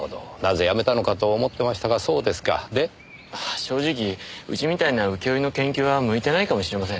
正直うちみたいな請負の研究は向いてないかもしれません。